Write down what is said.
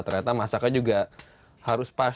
ternyata masaknya juga harus pas